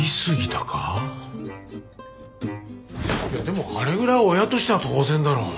いやでもあれぐらい親としては当然だろ。